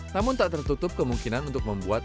namun tak tertutup kemungkinan untuk membuat